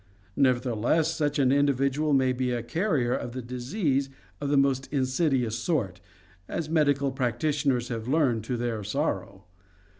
Nevertheless such an individual may be a carrier of the disease of the most insidious sort, as medical practitioners have learned to their sorrow.